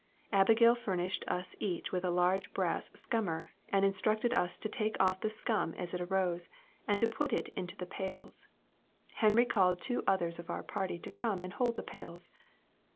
Abigail furnished us each with a large brass scummer, and instructed us to take off the scum as it arose, and put it into the pails; and Henry called two others of our party to come and hold the pails.